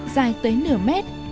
dài tới nửa mét